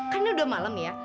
kan ini udah malem ya